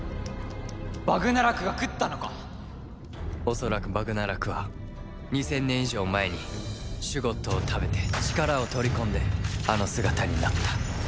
恐らくバグナラクは２０００年以上前にシュゴッドを食べて力を取り込んであの姿になった。